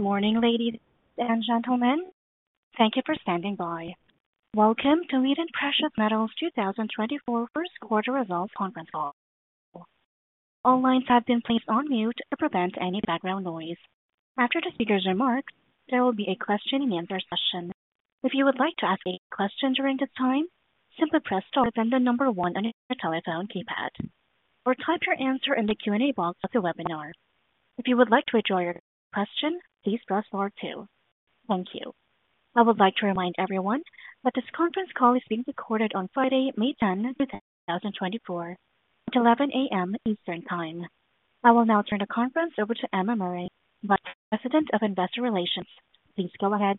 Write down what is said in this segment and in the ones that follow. Good morning, ladies and gentlemen. Thank you for standing by. Welcome to Wheaton Precious Metals 2024 Q1 results conference call. All lines have been placed on mute to prevent any background noise. After the speaker's remarks, there will be a question-and-answer session. If you would like to ask a question during this time, simply press star, then the number one on your telephone keypad, or type your answer in the Q&A box of the webinar. If you would like to withdraw your question, please press star two. Thank you. I would like to remind everyone that this conference call is being recorded on Friday, May 10, 2024 at 11 A.M. Eastern Time. I will now turn the conference over to Emma Murray, Vice President of Investor Relations. Please go ahead.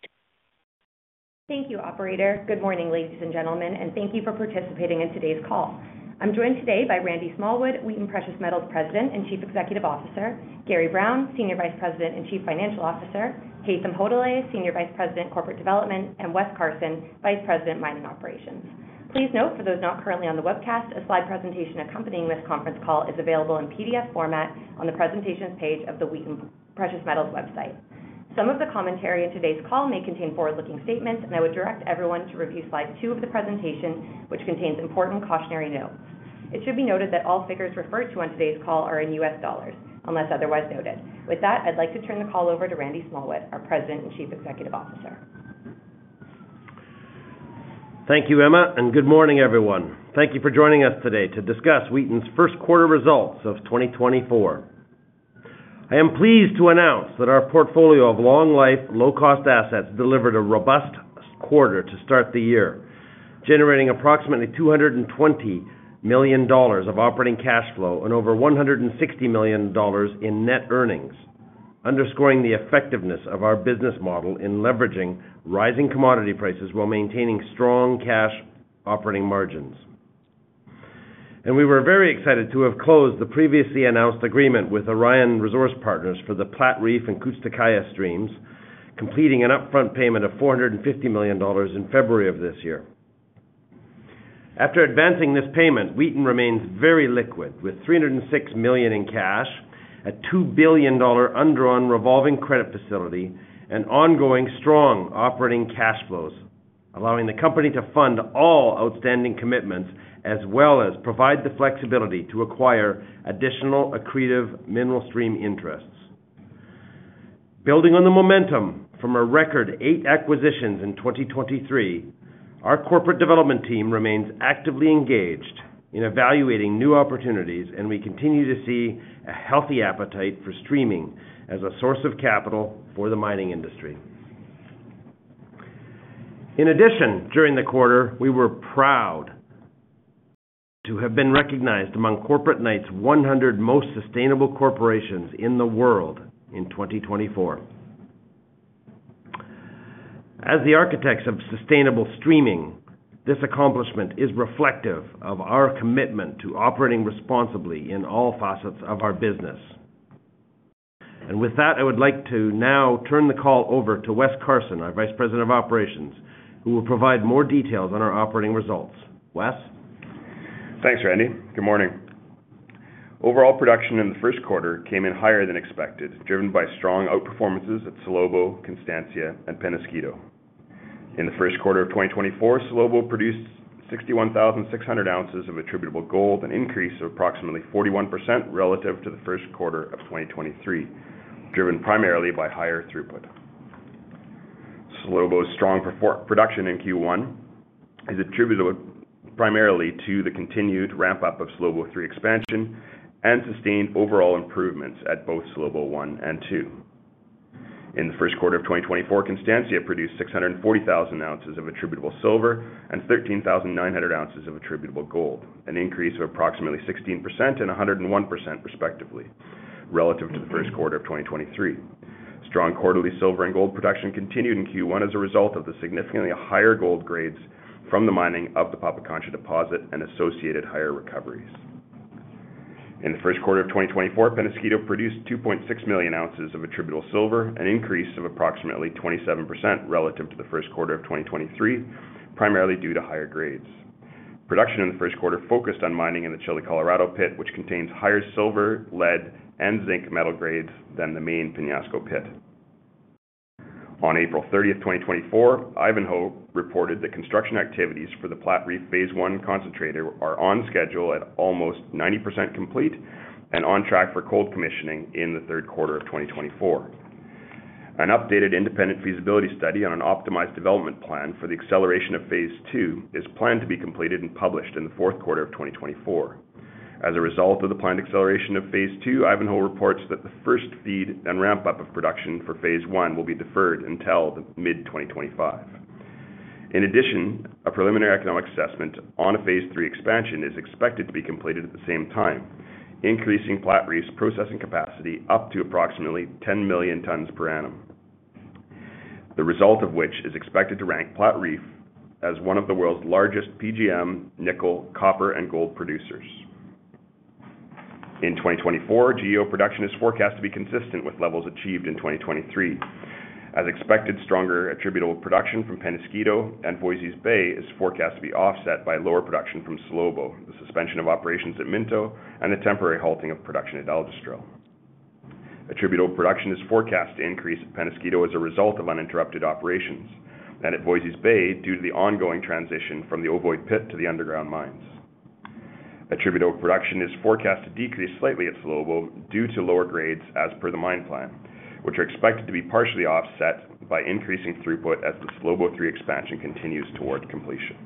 Thank you, operator. Good morning, ladies and gentlemen, and thank you for participating in today's call. I'm joined today by Randy Smallwood, Wheaton Precious Metals President and Chief Executive Officer, Gary Brown, Senior Vice President and Chief Financial Officer, Haytham Hodaly, Senior Vice President, Corporate Development, and Wes Carson, Vice President, Mining Operations. Please note, for those not currently on the webcast, a slide presentation accompanying this conference call is available in PDF format on the Presentations page of the Wheaton Precious Metals website. Some of the commentary in today's call may contain forward-looking statements, and I would direct everyone to review slide two of the presentation, which contains important cautionary notes. It should be noted that all figures referred to on today's call are in U.S. dollars, unless otherwise noted. With that, I'd like to turn the call over to Randy Smallwood, our President and Chief Executive Officer. Thank you, Emma, and good morning, everyone. Thank you for joining us today to discuss Wheaton's Q1 results of 2024. I am pleased to announce that our portfolio of long-life, low-cost assets delivered a robust quarter to start the year, generating approximately $220 million of operating cash flow and over $160 million in net earnings, underscoring the effectiveness of our business model in leveraging rising commodity prices while maintaining strong cash operating margins. We were very excited to have closed the previously announced agreement with Orion Resource Partners for the Platreef and Kudz Ze Kayah streams, completing an upfront payment of $450 million in February of this year. After advancing this payment, Wheaton remains very liquid, with $306 million in cash, a $2 billion undrawn revolving credit facility and ongoing strong operating cash flows, allowing the company to fund all outstanding commitments, as well as provide the flexibility to acquire additional accretive mineral stream interests. Building on the momentum from a record 8 acquisitions in 2023, our corporate development team remains actively engaged in evaluating new opportunities, and we continue to see a healthy appetite for streaming as a source of capital for the mining industry. In addition, during the quarter, we were proud to have been recognized among Corporate Knights' 100 most sustainable corporations in the world in 2024. As the architects of sustainable streaming, this accomplishment is reflective of our commitment to operating responsibly in all facets of our business. With that, I would like to now turn the call over to Wes Carson, our Vice President of Operations, who will provide more details on our operating results. Wes? Thanks, Randy. Good morning. Overall production in the Q1 came in higher than expected, driven by strong outperformances at Salobo, Constancia, and Peñasquito. In the Q1 of 2024, Salobo produced 61,600 ounces of attributable gold, an increase of approximately 41% relative to the Q1 of 2023, driven primarily by higher throughput. Salobo's strong production in Q1 is attributable primarily to the continued ramp-up of Salobo III expansion and sustained overall improvements at both Salobo I and II. In the Q1 of 2024, Constancia produced 640,000 ounces of attributable silver and 13,900 ounces of attributable gold, an increase of approximately 16% and 101% respectively, relative to the Q1 of 2023. Strong quarterly silver and gold production continued in Q1 as a result of the significantly higher gold grades from the mining of the Pampacancha deposit and associated higher recoveries. In the Q1 of 2024, Peñasquito produced 2.6 million ounces of attributable silver, an increase of approximately 27% relative to the Q1 of 2023, primarily due to higher grades. Production in the Q1 focused on mining in the Chile Colorado pit, which contains higher silver, lead and zinc metal grades than the main Peñasquito pit. On April 30th, 2024, Ivanhoe reported that construction activities for the Platreef phase I concentrator are on schedule at almost 90% complete and on track for cold commissioning in the Q3 of 2024. An updated independent feasibility study on an optimized development plan for the acceleration of phase II is planned to be completed and published in the Q4 of 2024. As a result of the planned acceleration of phase II, Ivanhoe reports that the first feed and ramp-up of production for phase I will be deferred until the mid-2025. In addition, a preliminary economic assessment on a phase III expansion is expected to be completed at the same time, increasing Platreef's processing capacity up to approximately 10 million tons per annum. The result of which is expected to rank Platreef as one of the world's largest PGM, nickel, copper and gold producers. In 2024, GEO production is forecast to be consistent with levels achieved in 2023. As expected, stronger attributable production from Peñasquito and Voisey's Bay is forecast to be offset by lower production from Salobo, the suspension of operations at Minto, and the temporary halting of production at Aljustrel. Attributable production is forecast to increase at Peñasquito as a result of uninterrupted operations, and at Voisey's Bay, due to the ongoing transition from the Ovoid pit to the underground mines. Attributable production is forecast to decrease slightly at Salobo due to lower grades as per the mine plan, which are expected to be partially offset by increasing throughput as the Salobo III expansion continues toward completion.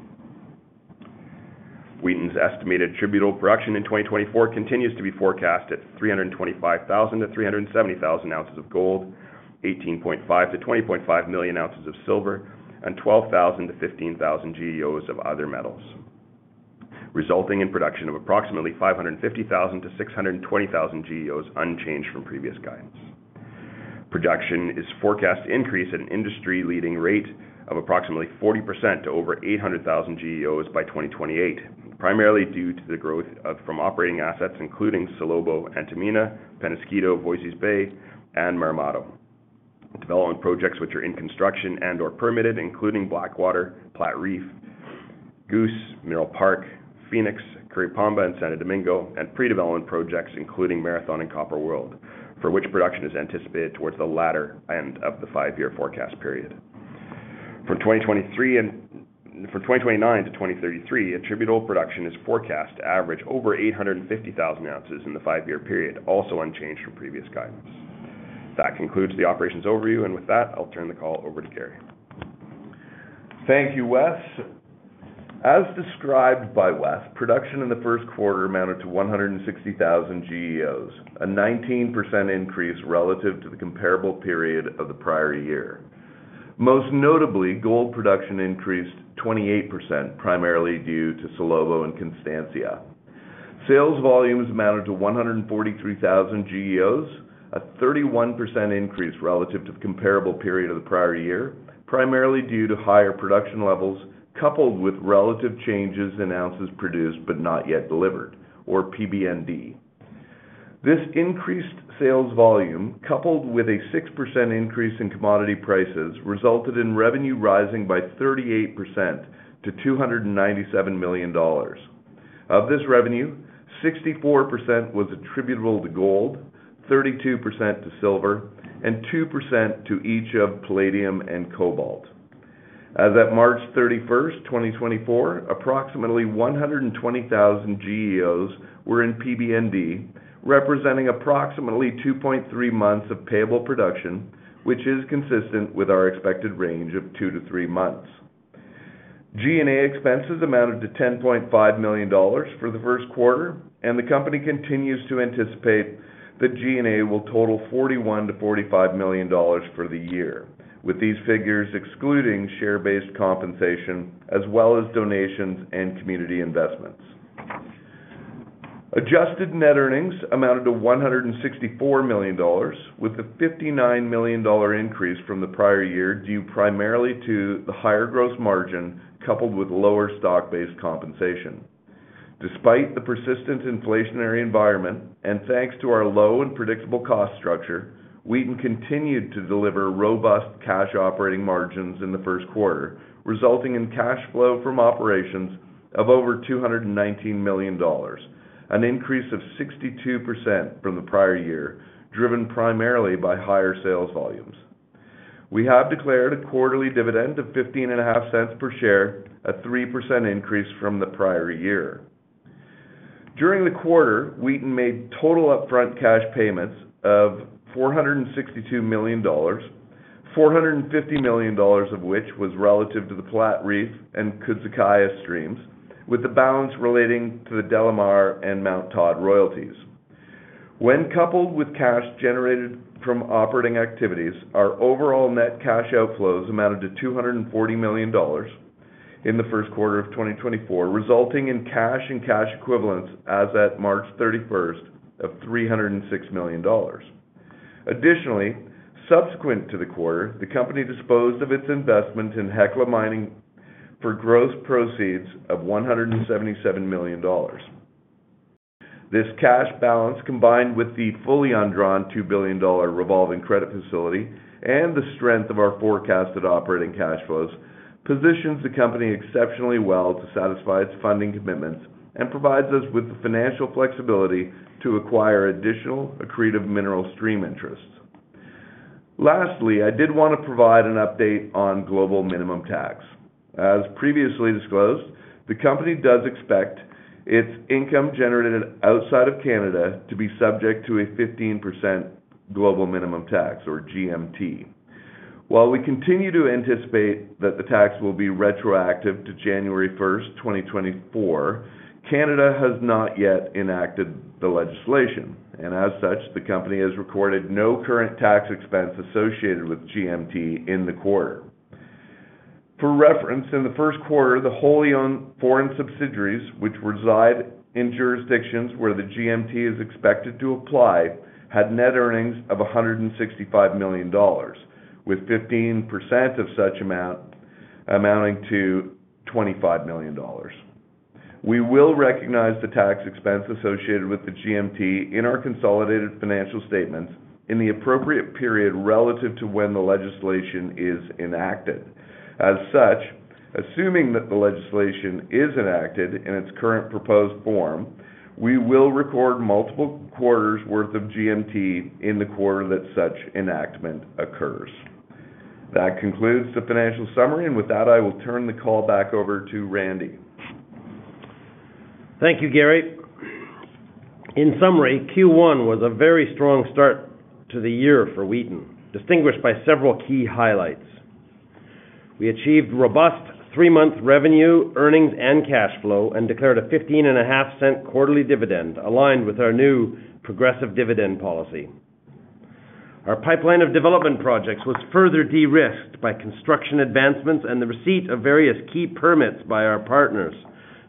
Wheaton's estimated attributable production in 2024 continues to be forecast at 325,000 to 370,000 ounces of gold, 18.5 to 20.5 million ounces of silver, and 12,000 to 15,000 GEOs of other metals, resulting in production of approximately 550,000 to 620,000 GEOs, unchanged from previous guidance. Production is forecast to increase at an industry-leading rate of approximately 40% to over 800,000 GEOs by 2028, primarily due to the growth from operating assets, including Salobo, Antamina, Peñasquito, Voisey's Bay, and Marmato. Development projects which are in construction and/or permitted, including Blackwater, Platreef, Goose, Mineral Park, Fenix, Curipamba, and Santo Domingo, and pre-development projects, including Marathon and Copper World, for which production is anticipated towards the latter end of the five-year forecast period. From 2023 and from 2029 to 2033, attributable production is forecast to average over 850,000 ounces in the five-year period, also unchanged from previous guidance. That concludes the operations overview, and with that, I'll turn the call over to Gary. Thank you, Wes. As described by Wes, production in the Q1 amounted to 160,000 GEOs, a 19% increase relative to the comparable period of the prior year. Most notably, gold production increased 28%, primarily due to Salobo and Constancia. Sales volumes amounted to 143,000 GEOs, a 31% increase relative to the comparable period of the prior year, primarily due to higher production levels, coupled with relative changes in ounces produced but not yet delivered, or PBND. This increased sales volume, coupled with a 6% increase in commodity prices, resulted in revenue rising by 38% to $297 million. Of this revenue, 64% was attributable to gold, 32% to silver, and 2% to each of palladium and cobalt. As at March 31, 2024, approximately 120,000 GEOs were in PBND, representing approximately 2.3 months of payable production, which is consistent with our expected range of 2 to 3 months. G&A expenses amounted to $10.5 million for the Q1, and the company continues to anticipate that G&A will total $41 million to $45 million for the year, with these figures excluding share-based compensation, as well as donations and community investments. Adjusted net earnings amounted to $164 million, with a $59 million increase from the prior year, due primarily to the higher gross margin, coupled with lower stock-based compensation. Despite the persistent inflationary environment, and thanks to our low and predictable cost structure, Wheaton continued to deliver robust cash operating margins in the Q1, resulting in cash flow from operations of over $219 million, an increase of 62% from the prior year, driven primarily by higher sales volumes. We have declared a quarterly dividend of $0.155 per share, a 3% increase from the prior year. During the quarter, Wheaton made total upfront cash payments of $462 million, $450 million of which was relative to the Platreef and Kudz Ze Kayah streams, with the balance relating to the DeLamar and Mt Todd royalties. When coupled with cash generated from operating activities, our overall net cash outflows amounted to $240 million in the Q1 of 2024, resulting in cash and cash equivalents as at March 31 of $306 million. Additionally, subsequent to the quarter, the company disposed of its investment in Hecla Mining for gross proceeds of $177 million. This cash balance, combined with the fully undrawn $2 billion revolving credit facility and the strength of our forecasted operating cash flows, positions the company exceptionally well to satisfy its funding commitments and provides us with the financial flexibility to acquire additional accretive mineral stream interests. Lastly, I did want to provide an update on global minimum tax. As previously disclosed, the company does expect its income generated outside of Canada to be subject to a 15% global minimum tax, or GMT. While we continue to anticipate that the tax will be retroactive to January 1, 2024, Canada has not yet enacted the legislation, and as such, the company has recorded no current tax expense associated with GMT in the quarter. For reference, in the Q1, the wholly owned foreign subsidiaries, which reside in jurisdictions where the GMT is expected to apply, had net earnings of $165 million, with 15% of such amount amounting to $25 million. ... We will recognize the tax expense associated with the GMT in our consolidated financial statements in the appropriate period relative to when the legislation is enacted. As such, assuming that the legislation is enacted in its current proposed form, we will record multiple quarters worth of GMT in the quarter that such enactment occurs. That concludes the financial summary, and with that, I will turn the call back over to Randy. Thank you, Gary. In summary, Q1 was a very strong start to the year for Wheaton, distinguished by several key highlights. We achieved robust three-month revenue, earnings, and cash flow, and declared a $0.155 quarterly dividend, aligned with our new progressive dividend policy. Our pipeline of development projects was further de-risked by construction advancements and the receipt of various key permits by our partners,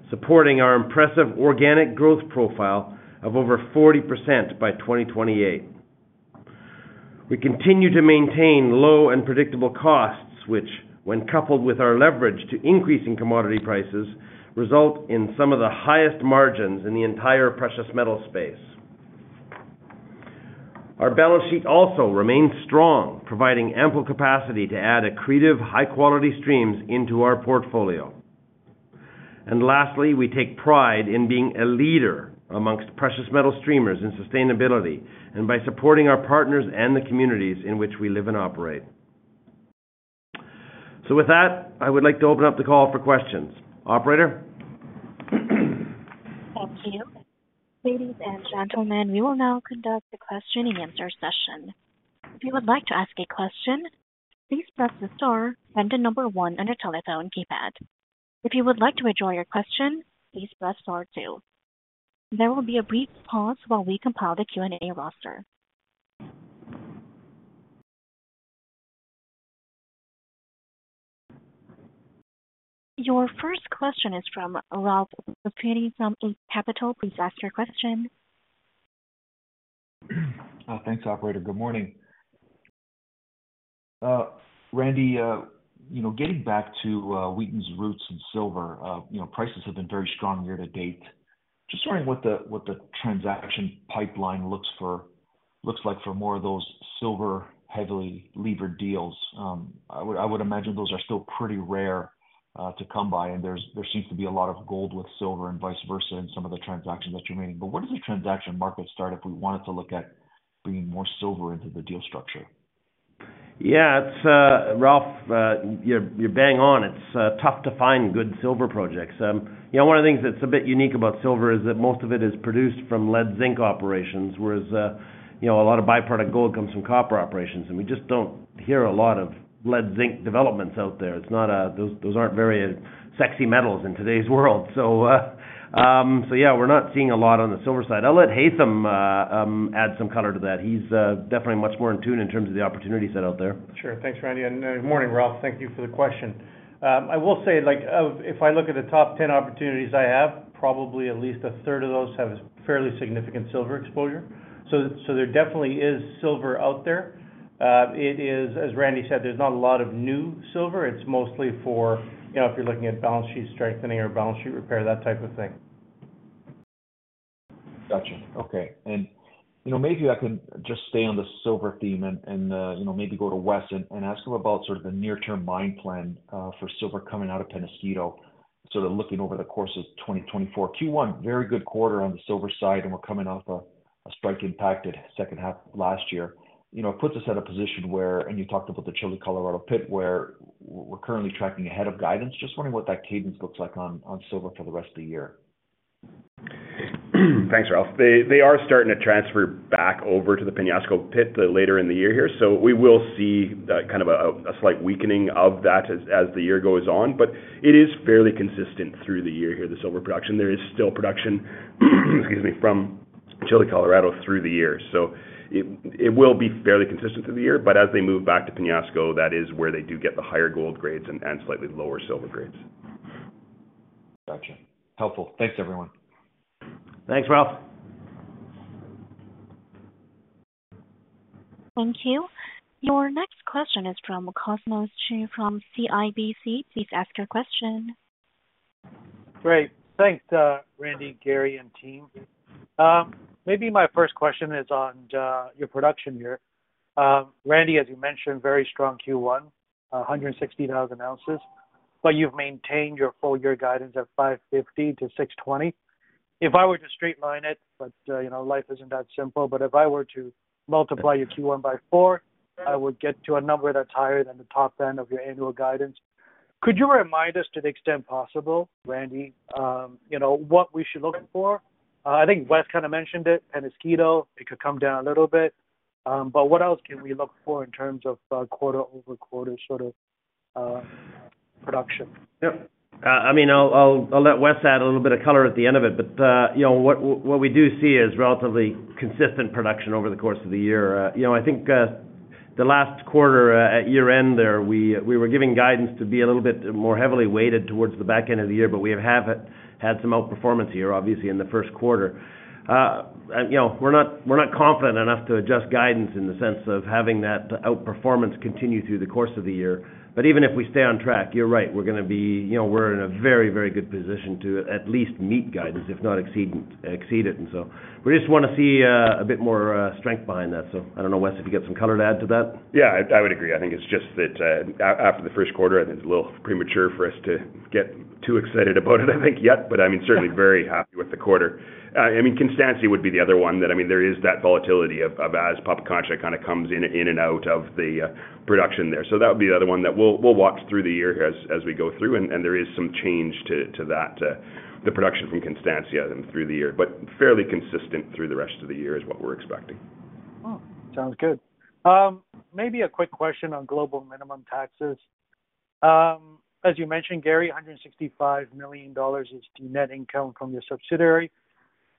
supporting our impressive organic growth profile of over 40% by 2028. We continue to maintain low and predictable costs, which, when coupled with our leverage to increasing commodity prices, result in some of the highest margins in the entire precious metal space. Our balance sheet also remains strong, providing ample capacity to add accretive, high quality streams into our portfolio. And lastly, we take pride in being a leader amongst precious metal streamers in sustainability and by supporting our partners and the communities in which we live and operate. So with that, I would like to open up the call for questions. Operator? Thank you. Ladies and gentlemen, we will now conduct a question-and-answer session. If you would like to ask a question, please press the star and the number one on your telephone keypad. If you would like to withdraw your question, please press star two. There will be a brief pause while we compile the Q&A roster. Your first question is from Ralph Profiti from Eight Capital. Please ask your question. Thanks, operator. Good morning. Randy, you know, getting back to Wheaton's roots in silver, you know, prices have been very strong year to date. Just wondering what the transaction pipeline looks like for more of those silver, heavily levered deals. I would imagine those are still pretty rare to come by, and there seems to be a lot of gold with silver and vice versa in some of the transactions that you're making. But what does the transaction market start if we wanted to look at bringing more silver into the deal structure? Yeah, it's Ralph, you're bang on. It's tough to find good silver projects. You know, one of the things that's a bit unique about silver is that most of it is produced from lead zinc operations, whereas, you know, a lot of byproduct gold comes from copper operations, and we just don't hear a lot of lead zinc developments out there. It's not those, those aren't very sexy metals in today's world. So, yeah, we're not seeing a lot on the silver side. I'll let Haytham add some color to that. He's definitely much more in tune in terms of the opportunity set out there. Sure. Thanks, Randy, and good morning, Ralph. Thank you for the question. I will say, like, if I look at the top 10 opportunities I have, probably at least a third of those have fairly significant silver exposure. So there definitely is silver out there. It is, as Randy said, there's not a lot of new silver. It's mostly for, you know, if you're looking at balance sheet strengthening or balance sheet repair, that type of thing. Gotcha. Okay. And, you know, maybe I can just stay on the silver theme and, you know, maybe go to Wes and ask him about sort of the near-term mine plan for silver coming out of Peñasquito, sort of looking over the course of 2024. Q1, very good quarter on the silver side, and we're coming off a strike-impacted second half last year. You know, it puts us at a position where, and you talked about the Chile Colorado pit, where we're currently tracking ahead of guidance. Just wondering what that cadence looks like on silver for the rest of the year. Thanks, Ralph. They are starting to transfer back over to the Peñasquito pit later in the year here, so we will see the kind of a slight weakening of that as the year goes on. But it is fairly consistent through the year here, the silver production. There is still production, excuse me, from Chile Colorado through the year, so it will be fairly consistent through the year. But as they move back to Peñasquito, that is where they do get the higher gold grades and slightly lower silver grades. Gotcha. Helpful. Thanks, everyone. Thanks, Ralph. Thank you. Your next question is from Cosmos Chiu from CIBC. Please ask your question. Great. Thanks, Randy, Gary, and team. Maybe my first question is on your production year. Randy, as you mentioned, very strong Q1, 160,000 ounces, but you've maintained your full year guidance of 550 to 620. If I were to straight line it, but you know, life isn't that simple, but if I were to multiply your Q1 by four, I would get to a number that's higher than the top end of your annual guidance. Could you remind us, to the extent possible, Randy, you know, what we should look for? I think Wes kind of mentioned it, Peñasquito, it could come down a little bit, but what else can we look for in terms of quarter-over-quarter sort of production? Yep. I mean, I'll let Wes add a little bit of color at the end of it, but, you know, what we do see is relatively consistent production over the course of the year. You know, I think, the last quarter, at year-end there, we were giving guidance to be a little bit more heavily weighted towards the back end of the year, but we have had some outperformance here, obviously, in the Q1. You know, we're not confident enough to adjust guidance in the sense of having that outperformance continue through the course of the year. But even if we stay on track, you're right, we're gonna be, you know, we're in a very, very good position to at least meet guidance, if not exceed it, exceed it. And so we just wanna see a bit more strength behind that. So I don't know, Wes, if you get some color to add to that? Yeah, I would agree. I think it's just that, after the Q1, I think it's a little premature for us to get too excited about it, I think yet, but I mean, certainly very happy with the quarter. I mean, Constancia would be the other one that, I mean, there is that volatility of, as Pampacancha kind of comes in and out of the production there. So that would be the other one that we'll watch through the year as we go through, and there is some change to that, the production from Constancia through the year, but fairly consistent through the rest of the year is what we're expecting. Oh, sounds good. Maybe a quick question on global minimum taxes. As you mentioned, Gary, $165 million is the net income from your subsidiary.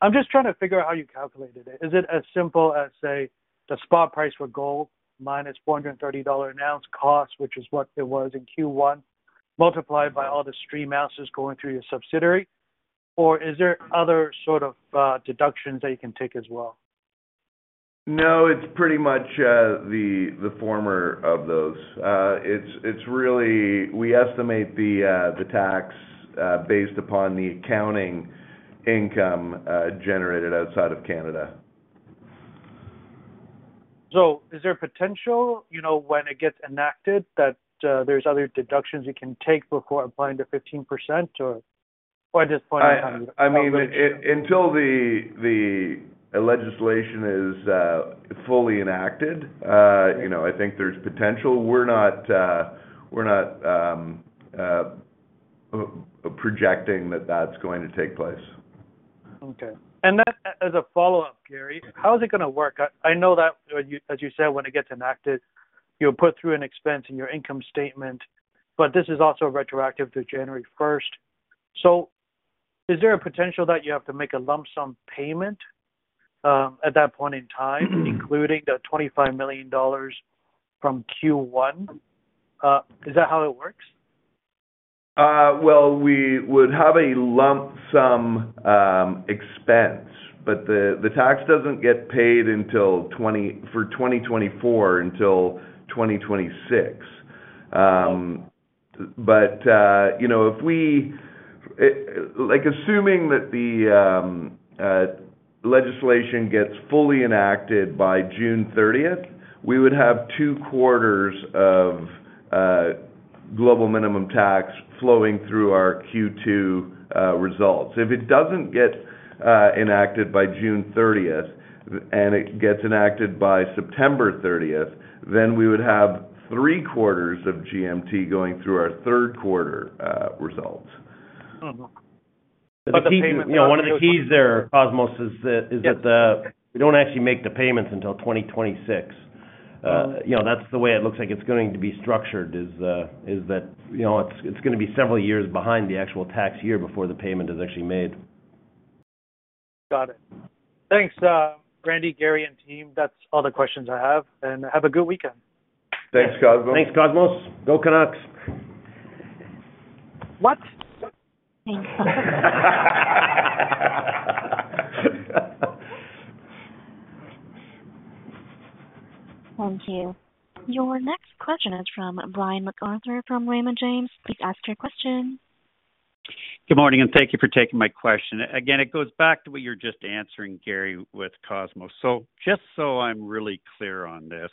I'm just trying to figure out how you calculated it. Is it as simple as, say, the spot price for gold, minus $430-an-ounce cost, which is what it was in Q1, multiplied by all the stream ounces going through your subsidiary? Or is there other sort of deductions that you can take as well? No, it's pretty much the former of those. It's really we estimate the tax based upon the accounting income generated outside of Canada. So is there a potential, you know, when it gets enacted, that there's other deductions you can take before applying to 15%, or at this point, I don't know? I mean, until the legislation is fully enacted, you know, I think there's potential. We're not, we're not projecting that that's going to take place. Okay. And then as a follow-up, Gary, how is it gonna work? I, I know that you, as you said, when it gets enacted, you'll put through an expense in your income statement, but this is also retroactive to January first. So is there a potential that you have to make a lump sum payment at that point in time, including the $25 million from Q1? Is that how it works? Well, we would have a lump sum expense, but the tax doesn't get paid until 2024, until 2026. But you know, if we... like, assuming that the legislation gets fully enacted by June 30, we would have two quarters of global minimum tax flowing through our Q2 results. If it doesn't get enacted by June 30, and it gets enacted by September 30, then we would have three quarters of GMT going through our Q3 results. Oh, okay. You know, one of the keys there, Cosmos, is that, Yeah. Is that, we don't actually make the payments until 2026. You know, that's the way it looks like it's going to be structured, is that, you know, it's gonna be several years behind the actual tax year before the payment is actually made. Got it. Thanks, Randy, Gary, and team. That's all the questions I have. Have a good weekend. Thanks, Cosmos. Thanks, Cosmos. Go Canucks! What? Thank you. Your next question is from Brian MacArthur from Raymond James. Please ask your question. Good morning, and thank you for taking my question. Again, it goes back to what you're just answering, Gary, with Cosmos. So just so I'm really clear on this,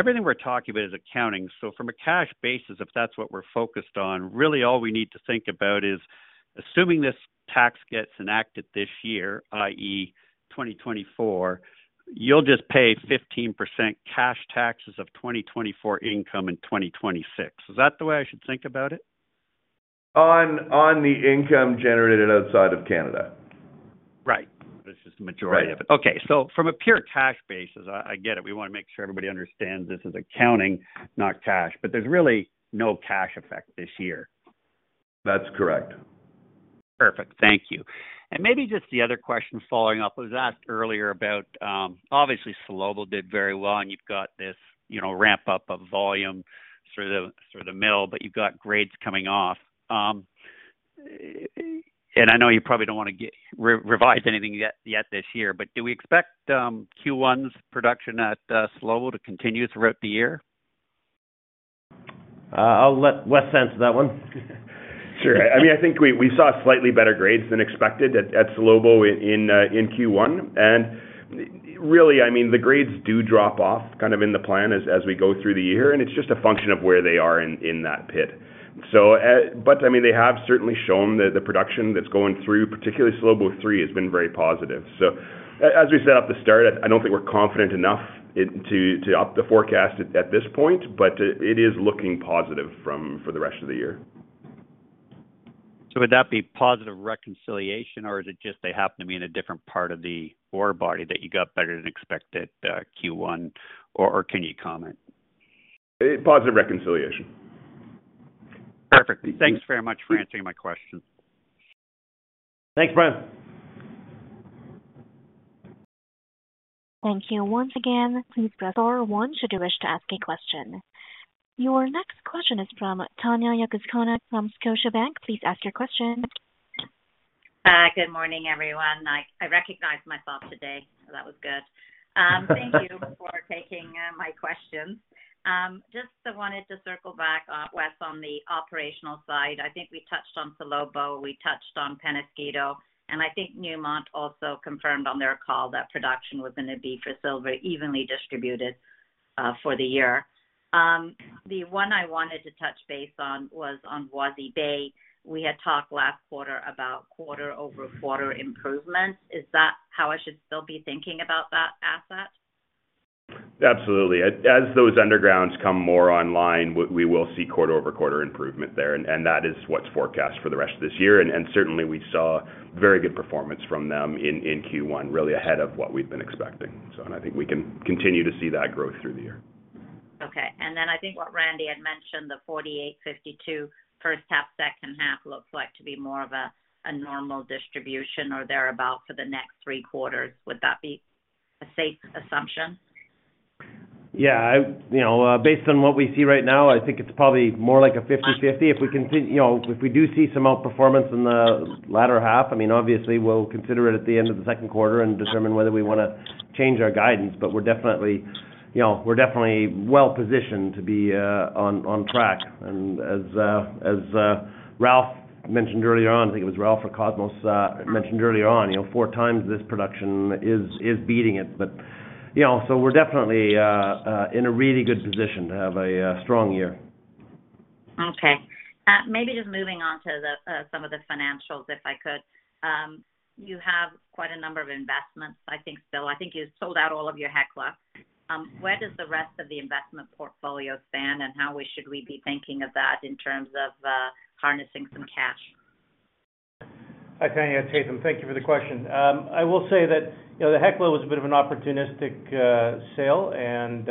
everything we're talking about is accounting. So from a cash basis, if that's what we're focused on, really all we need to think about is assuming this tax gets enacted this year, i.e., 2024, you'll just pay 15% cash taxes of 2024 income in 2026. Is that the way I should think about it? On the income generated outside of Canada. Right. This is the majority of it. Right. Okay, so from a pure tax basis, I get it. We wanna make sure everybody understands this is accounting, not cash, but there's really no cash effect this year. That's correct. Perfect. Thank you. And maybe just the other question following up, it was asked earlier about, obviously, Salobo did very well, and you've got this, you know, ramp up of volume through the mill, but you've got grades coming off. And I know you probably don't want to revise anything yet this year, but do we expect Q1's production at Salobo to continue throughout the year? I'll let Wes answer that one. Sure. I mean, I think we saw slightly better grades than expected at Salobo in Q1. And really, I mean, the grades do drop off kind of in the plan as we go through the year, and it's just a function of where they are in that pit. So, but I mean, they have certainly shown that the production that's going through, particularly Salobo III, has been very positive. So as we said at the start, I don't think we're confident enough to up the forecast at this point, but it is looking positive for the rest of the year. Would that be positive reconciliation, or is it just they happen to be in a different part of the ore body that you got better than expected, Q1, or, or can you comment? Positive reconciliation. Perfect. Thanks very much for answering my question. Thanks, Brian.... Thank you. Once again, please press star one should you wish to ask a question. Your next question is from Tanya Jakusconek from Scotiabank. Please ask your question. Good morning, everyone. I recognized myself today, so that was good. Thank you for taking my questions. Just wanted to circle back on, Wes, on the operational side. I think we touched on Salobo, we touched on Peñasquito, and I think Newmont also confirmed on their call that production was going to be for silver, evenly distributed, for the year. The one I wanted to touch base on was on Voisey's Bay. We had talked last quarter about quarter-over-quarter improvements. Is that how I should still be thinking about that asset? Absolutely. As those undergrounds come more online, we will see quarter-over-quarter improvement there, and that is what's forecast for the rest of this year. And certainly we saw very good performance from them in Q1, really ahead of what we've been expecting. So I think we can continue to see that growth through the year. Okay. And then I think what Randy had mentioned, the 48, 52, first half, second half, looks like to be more of a, a normal distribution or thereabout for the next three quarters. Would that be a safe assumption? Yeah, you know, based on what we see right now, I think it's probably more like a 50/50. If we continue, you know, if we do see some outperformance in the latter half, I mean, obviously, we'll consider it at the end of the Q2 and determine whether we wanna change our guidance. But we're definitely, you know, we're definitely well positioned to be on track. And as Ralph mentioned earlier on, I think it was Ralph or Cosmos mentioned earlier on, you know, four times this production is beating it. But, you know, so we're definitely in a really good position to have a strong year. Okay. Maybe just moving on to the some of the financials, if I could. You have quite a number of investments, I think so. I think you sold out all of your Hecla. Where does the rest of the investment portfolio stand, and how should we be thinking of that in terms of harnessing some cash? Hi, Tanya, it's Haytham. Thank you for the question. I will say that, you know, the Hecla was a bit of an opportunistic sale, and,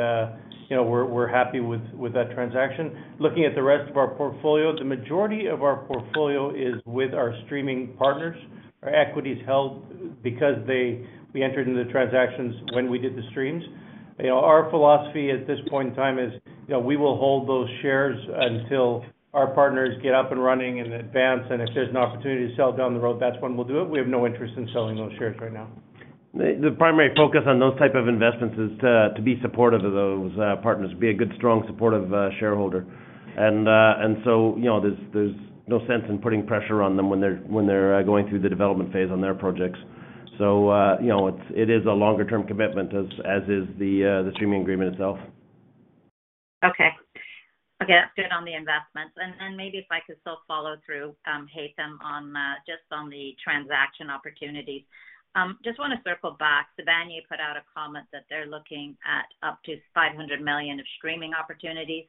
you know, we're happy with that transaction. Looking at the rest of our portfolio, the majority of our portfolio is with our streaming partners. Our equity is held because they, we entered into the transactions when we did the streams. You know, our philosophy at this point in time is, you know, we will hold those shares until our partners get up and running and advance, and if there's an opportunity to sell down the road, that's when we'll do it. We have no interest in selling those shares right now. The primary focus on those type of investments is to be supportive of those partners, be a good, strong, supportive shareholder. And so, you know, there's no sense in putting pressure on them when they're going through the development phase on their projects. So, you know, it is a longer-term commitment, as is the streaming agreement itself. Okay. Okay, that's good on the investments. Maybe if I could still follow through, Haytham, on just the transaction opportunities. Just want to circle back. Sibanye put out a comment that they're looking at up to $500 million of streaming opportunities.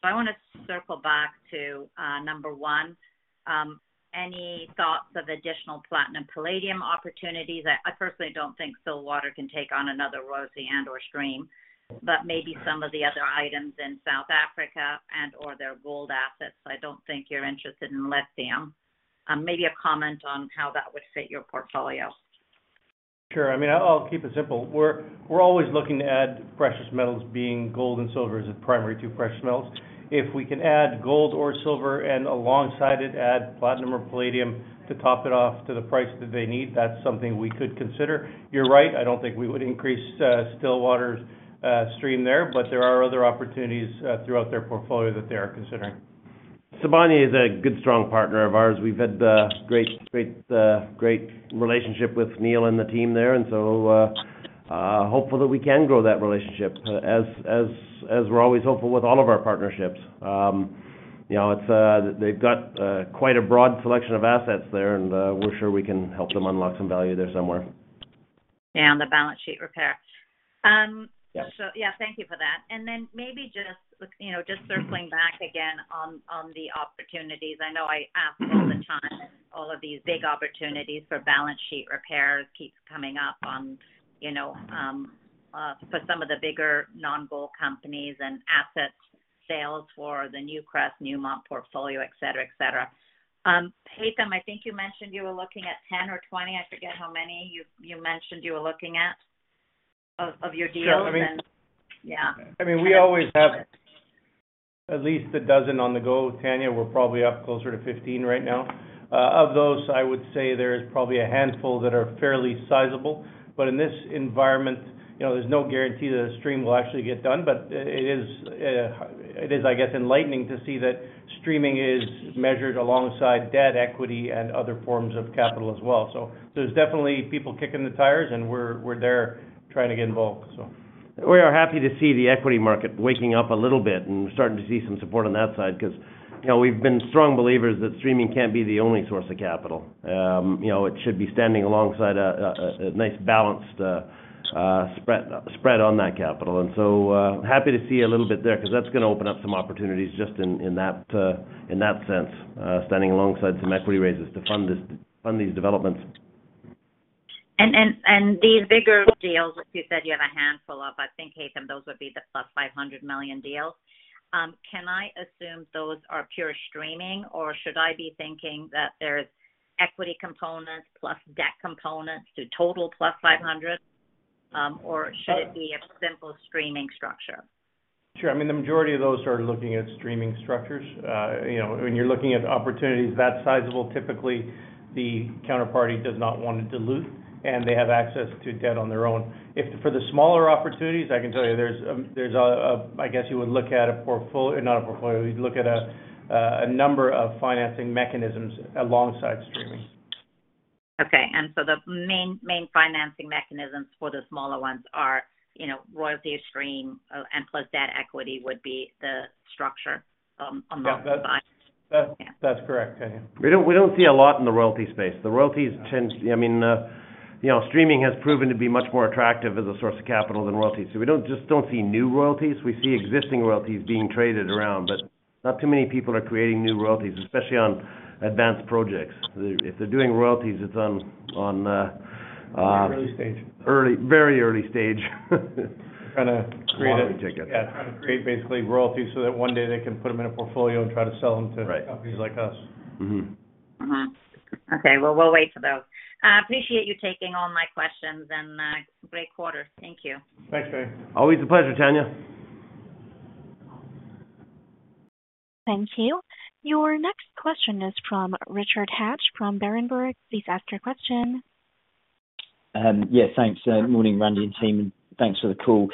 So I want to circle back to number one, any thoughts of additional platinum, palladium opportunities? I, I personally don't think Stillwater can take on another royalty and/or stream, but maybe some of the other items in South Africa and/or their gold assets. I don't think you're interested in lithium. Maybe a comment on how that would fit your portfolio. Sure. I mean, I'll keep it simple. We're always looking to add precious metals, being gold and silver as the primary two precious metals. If we can add gold or silver, and alongside it, add platinum or palladium to top it off to the price that they need, that's something we could consider. You're right, I don't think we would increase Stillwater's stream there, but there are other opportunities throughout their portfolio that they are considering. Sibanye is a good, strong partner of ours. We've had great, great, great relationship with Neal and the team there, and so hopeful that we can grow that relationship, as we're always hopeful with all of our partnerships. You know, it's, they've got quite a broad selection of assets there, and we're sure we can help them unlock some value there somewhere. Yeah, on the balance sheet repair. Yeah. So yeah, thank you for that. And then maybe just, you know, just circling back again on, on the opportunities. I know I ask all the time, all of these big opportunities for balance sheet repair keeps coming up on, you know, for some of the bigger non-gold companies and assets sales for the Newcrest, Newmont portfolio, et cetera, et cetera. Haytham, I think you mentioned you were looking at 10 or 20, I forget how many you, you mentioned you were looking at, of, of your deals? Sure, I mean- Yeah. I mean, we always have at least 12 on the go, Tanya. We're probably up closer to 15 right now. Of those, I would say there is probably a handful that are fairly sizable, but in this environment, you know, there's no guarantee that a stream will actually get done. But it is, it is, I guess, enlightening to see that streaming is measured alongside debt, equity, and other forms of capital as well. So, so there's definitely people kicking the tires, and we're, we're there trying to get involved, so. We are happy to see the equity market waking up a little bit and starting to see some support on that side, because, you know, we've been strong believers that streaming can't be the only source of capital. You know, it should be standing alongside a nice balanced spread on that capital. And so, happy to see a little bit there, because that's going to open up some opportunities just in that sense, standing alongside some equity raises to fund these developments. These bigger deals, which you said you have active. So if I think, Haytham, those would be the +$500 million deals. Can I assume those are pure streaming, or should I be thinking that there's equity components plus debt components to total +$500 million? Or should it be a simple streaming structure? Sure. I mean, the majority of those are looking at streaming structures. You know, when you're looking at opportunities that sizable, typically the counterparty does not want to dilute, and they have access to debt on their own. If for the smaller opportunities, I can tell you there's a, I guess you would look at a portfol- not a portfolio, you'd look at a number of financing mechanisms alongside streaming. Okay. And so the main, main financing mechanisms for the smaller ones are, you know, royalty stream, and plus debt equity would be the structure, on those buys? That, that- Yeah. That's correct, Tanya. We don't see a lot in the royalty space. The royalties tend... I mean, you know, streaming has proven to be much more attractive as a source of capital than royalties. So we don't see new royalties, we see existing royalties being traded around, but not too many people are creating new royalties, especially on advanced projects. If they're doing royalties, it's on early stage. Early, very early stage. Kinda create a lottery ticket. Yeah, try to create basically royalties so that one day they can put them in a portfolio and try to sell them to companies like us. Mm-hmm. Mm-hmm. Okay, well, we'll wait for those. Appreciate you taking all my questions, and great quarter. Thank you. Thanks, Tanya. Always a pleasure, Tanya. Than k you. Your next question is from Richard Hatch from Berenberg. Please ask your question. Yeah, thanks. Good morning, Randy and team, and thanks for the call.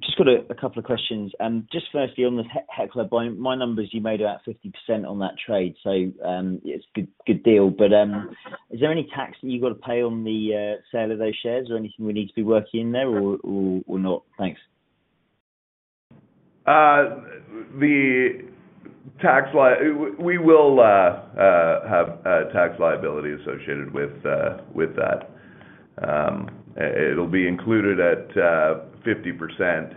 Just got a couple of questions. Just firstly, on the Hecla, my number is you made about 50% on that trade, so, it's good, good deal. But, is there any tax that you've got to pay on the sale of those shares or anything we need to be working in there or, or, or not? Thanks. We will have tax liability associated with that. It'll be included at 50%,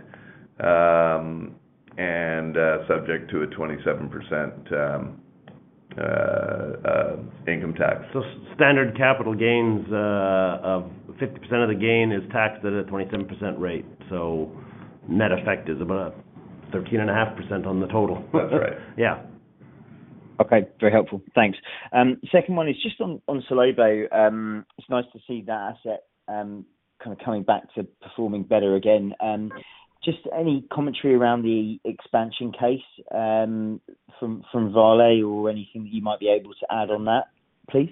and subject to a 27% income tax. So standard capital gains of 50% of the gain is taxed at a 27% rate, so net effect is about 13.5% on the total. That's right. Yeah. Okay, very helpful. Thanks. Second one is just on Salobo. It's nice to see that asset, kind of coming back to performing better again. Just any commentary around the expansion case, from Vale or anything you might be able to add on that, please?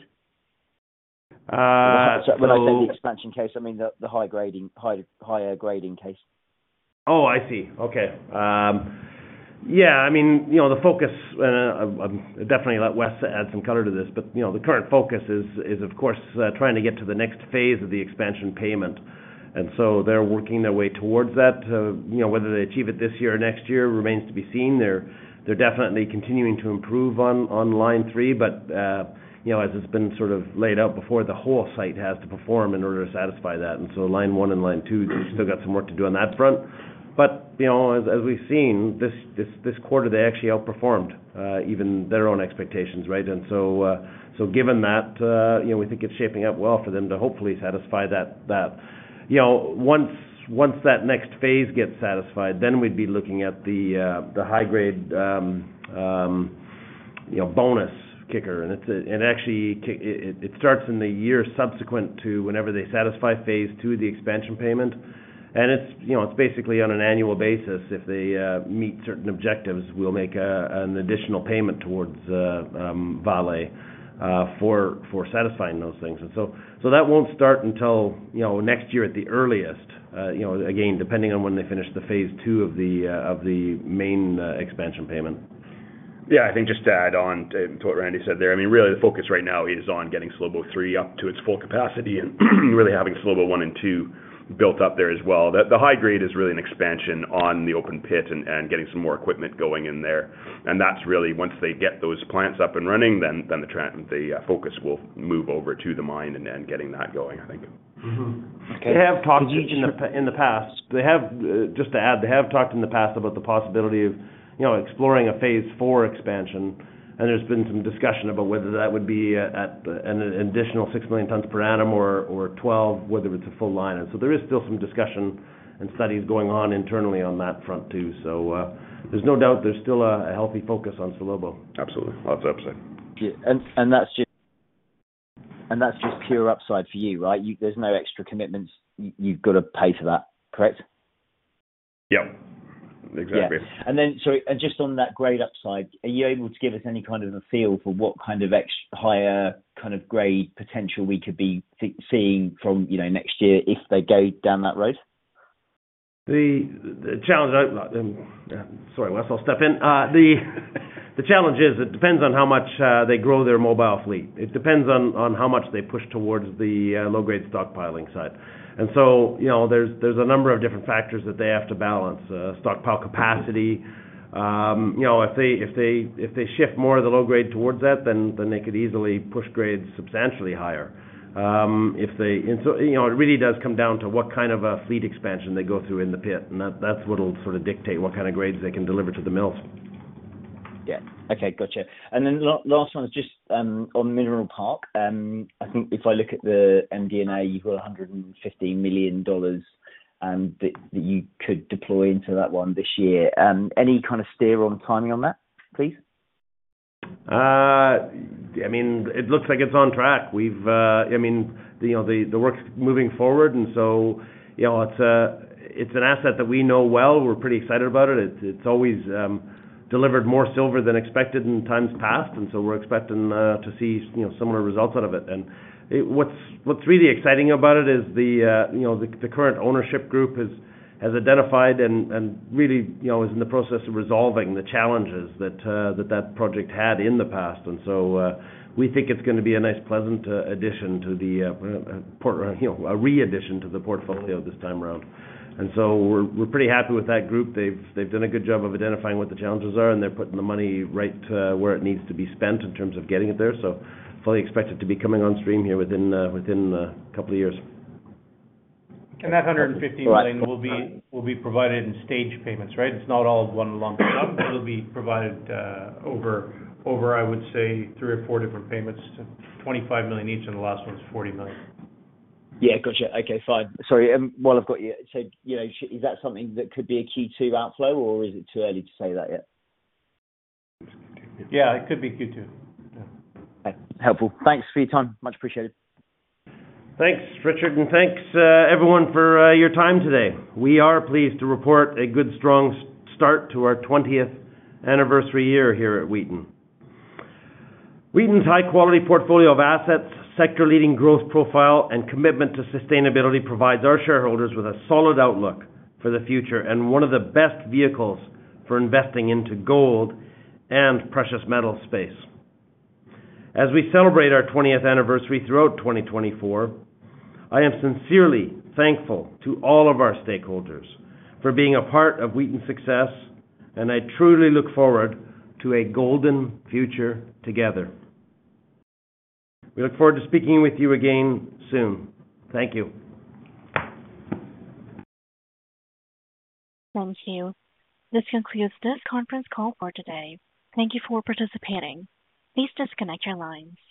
Uh, so- When I say the expansion case, I mean the high grading, higher grading case. Oh, I see. Okay. Yeah, I mean, you know, the focus, I'll definitely let Wes add some color to this, but, you know, the current focus is, of course, trying to get to the next phase of the expansion payment. And so they're working their way towards that. You know, whether they achieve it this year or next year, remains to be seen. They're definitely continuing to improve on line three, but, you know, as has been sort of laid out before, the whole site has to perform in order to satisfy that. And so line one and line two, they still got some work to do on that front. But, you know, as we've seen, this quarter, they actually outperformed, even their own expectations, right? And so, given that, you know, we think it's shaping up well for them to hopefully satisfy that. You know, once that next phase gets satisfied, then we'd be looking at the high grade, you know, bonus kicker. And actually, it starts in the year subsequent to whenever they satisfy phase two of the expansion payment. And it's, you know, it's basically on an annual basis. If they meet certain objectives, we'll make an additional payment towards Vale for satisfying those things. So that won't start until, you know, next year at the earliest, you know, again, depending on when they finish phase two of the main expansion payment. Yeah, I think just to add on to what Randy said there, I mean, really the focus right now is on getting Salobo III up to its full capacity and, really having Salobo I and II built up there as well. The high grade is really an expansion on the open pit and getting some more equipment going in there. And that's really once they get those plants up and running, then the focus will move over to the mine and getting that going, I think. Mm-hmm. Okay. They have talked in the past, they have. Just to add, they have talked in the past about the possibility of, you know, exploring a phase four expansion, and there's been some discussion about whether that would be at an additional 6 million tons per annum or 12, whether it's a full line. And so there is still some discussion and studies going on internally on that front, too. So, there's no doubt there's still a healthy focus on Salobo. Absolutely. Lots of upside. Yeah. And that's just pure upside for you, right? You— There's no extra commitments you've got to pay for that, correct? Yep. Exactly. Yeah. And then, sorry, and just on that grade upside, are you able to give us any kind of a feel for what kind of higher kind of grade potential we could be seeing from, you know, next year if they go down that road? Sorry, Wes, I'll step in. The challenge is it depends on how much they grow their mobile fleet. It depends on how much they push towards the low-grade stockpiling side. And so, you know, there's a number of different factors that they have to balance, stockpile capacity. You know, if they shift more of the low grade towards that, then they could easily push grades substantially higher. And so, you know, it really does come down to what kind of a fleet expansion they go through in the pit, and that's what will sort of dictate what kind of grades they can deliver to the mills.... Yeah. Okay, gotcha. And then last one is just on Mineral Park. I think if I look at the MD&A, you've got $115 million that you could deploy into that one this year. Any kind of steer on timing on that, please? I mean, it looks like it's on track. We've, I mean, you know, the work's moving forward, and so, you know, it's an asset that we know well. We're pretty excited about it. It's always delivered more silver than expected in times past, and so we're expecting to see, you know, similar results out of it. And what's really exciting about it is the, you know, the current ownership group has identified and really, you know, is in the process of resolving the challenges that that project had in the past. And so, we think it's gonna be a nice, pleasant addition to the portfolio this time around. And so we're pretty happy with that group. They've done a good job of identifying what the challenges are, and they're putting the money right where it needs to be spent in terms of getting it there. So fully expect it to be coming on stream here within a couple of years. That $150 million will be, will be provided in stage payments, right? It's not all one lump sum. It'll be provided over, over, I would say, three or four different payments to $25 million each, and the last one is $40 million. Yeah. Gotcha. Okay, fine. Sorry, while I've got you, so, you know, is that something that could be a Q2 outflow, or is it too early to say that yet? Yeah, it could be Q2. Yeah. Right. Helpful. Thanks for your time. Much appreciated. Thanks, Richard, and thanks, everyone, for your time today. We are pleased to report a good, strong start to our twentieth anniversary year here at Wheaton. Wheaton's high quality portfolio of assets, sector leading growth profile, and commitment to sustainability, provides our shareholders with a solid outlook for the future, and one of the best vehicles for investing into gold and precious metals space. As we celebrate our twentieth anniversary throughout 2024, I am sincerely thankful to all of our stakeholders for being a part of Wheaton's success, and I truly look forward to a golden future together. We look forward to speaking with you again soon. Thank you. Thank you. This concludes this conference call for today. Thank you for participating. Please disconnect your lines.